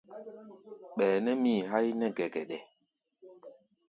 Ɓɛɛ́ nɛ mii háí nɛ́ɛ́ gɛgɛɗɛ.